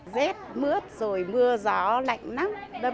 rết mướt rồi mưa gió lạnh nắng